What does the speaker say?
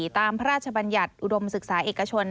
พระราชบัญญัติอุดมศึกษาเอกชน